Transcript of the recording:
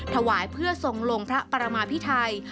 ถวายเพื่อทรงลงพระปรมาพิไทย